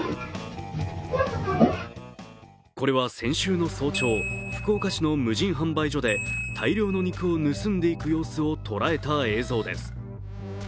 これは先週の早朝、福岡市の無人販売所で大量の肉を盗んでいく様子を捉えた映像です。